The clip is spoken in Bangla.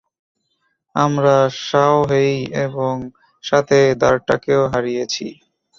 আমরা শাওহেই এবং সাথে দ্বারটাকেও হারিয়েছি।